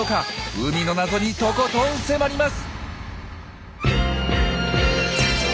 海の謎にとことん迫ります！